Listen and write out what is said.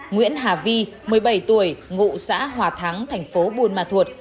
nguyễn hà vi một mươi bảy tuổi ngụ xã hòa thắng thành phố buôn ma thuột